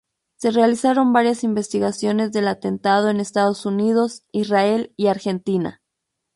Se realizaron varias investigaciones del atentado en Estados Unidos, Israel y Argentina.